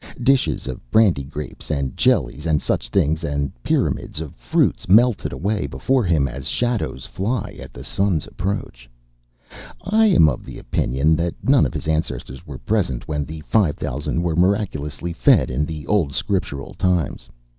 Dishes of brandy grapes, and jellies, and such things, and pyramids of fruits melted away before him as shadows fly at the sun's approach. I am of the opinion that none of his ancestors were present when the five thousand were miraculously fed in the old Scriptural times.